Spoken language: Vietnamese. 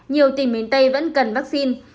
nhiều tỉnh miền tây vẫn cần vaccine